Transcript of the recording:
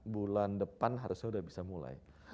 bulan depan harusnya sudah bisa mulai